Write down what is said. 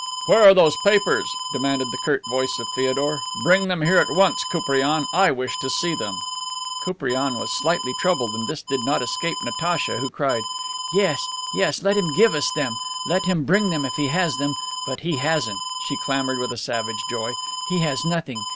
"Where are those papers?" demanded the curt voice of Feodor. "Bring them here at once, Koupriane; I wish to see them." Koupriane was slightly troubled, and this did not escape Natacha, who cried: "Yes, yes, let him give us them, let him bring them if he has them. But he hasn't," she clamored with a savage joy. "He has nothing.